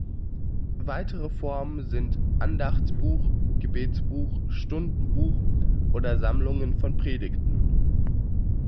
Weitere Formen sind Andachtsbuch, Gebetbuch, Stundenbuch oder Sammlungen von Predigten.